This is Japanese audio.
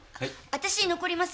私残ります。